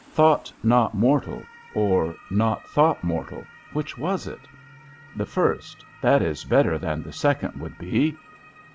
Thought not mortal, or not thought mortal, which was it? The first; that is better than the second would be.